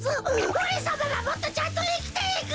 おれさまはもっとちゃんといきていく！